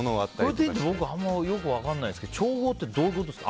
プロテインって僕、あんまりよく分からないんですけど調合ってどういうことですか。